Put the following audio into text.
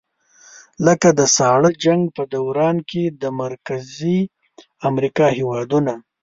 لکه د ساړه جنګ په دوران کې د مرکزي امریکا هېوادونه.